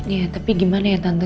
ya tapi gimana ya tante